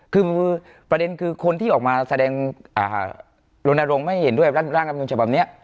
คือประเด็นคือคนที่ออกมาแสดงลนลงไม่เห็นด้วยร่างอำนวนฉบับนี้